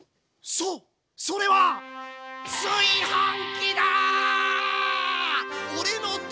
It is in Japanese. そっそれは⁉炊飯器だ！